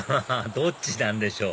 どっちなんでしょう？